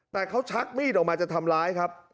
แต่เขาชักมีดออกมาจะทำร้ายครับ